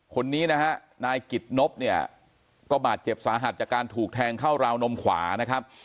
คนนี้นะฮะนายกิจนบเนี่ยก็บาดเจ็บสาหัสจากการถูกแทงเข้าราวนมขวานะครับ